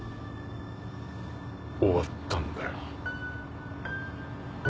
終わったんだよ。